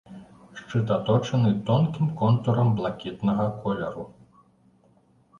Шчыт аточаны тонкім контурам блакітнага колеру.